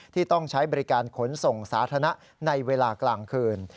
ที่ต้องใช้บริการขนส่งสาธารณะในเวลากลางคืน